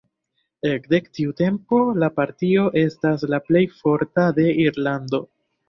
Ekde tiu tempo la partio estas la plej forta de Irlando.